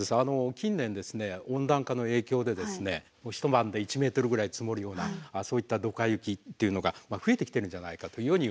近年温暖化の影響で一晩で１ｍぐらい積もるようなそういったドカ雪っていうのが増えてきてるんじゃないかというようにいわれています。